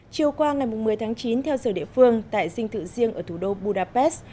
chiều qua ngày một mươi tháng chín theo giờ địa phương tại dinh thự riêng ở thủ đô budapest